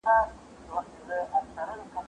زه اجازه لرم چي کالي وپرېولم،